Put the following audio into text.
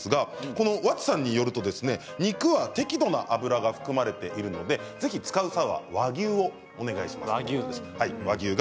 この和知さんによると肉は適度な脂が含まれているのでぜひ使う際は和牛をお願いします。